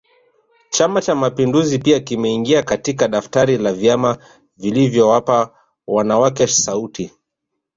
Chama Cha mapinduzi pia kimeingia katika daftari la vyama vilivyowapa wanawake sauti